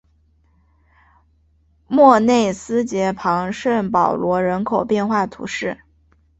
莫内斯捷旁圣保罗人口变化图示